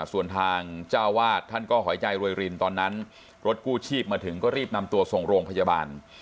ส่วนทางเจ้าวาดท่านก็หอยใจรวยรินตอนนั้นรถกู้ชีพมาถึงก็รีบนำตัวส่งโรงพยาบาล